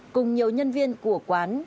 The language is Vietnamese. cùng nhiều nhân viên của quán